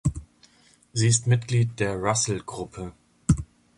Sie ist Mitglied in der Russell-Gruppe.